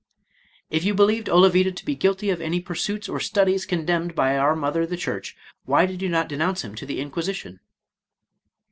" If you believed Olavida to be guilty of any pursuits or studies condemned by our mother the church, why did you not denounce him to the Inquisition?